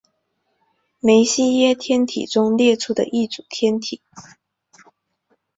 梅西耶天体中列出的一组天体。